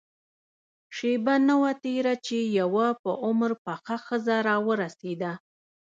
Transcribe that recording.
شېبه نه وه تېره چې يوه په عمر پخه ښځه راورسېده.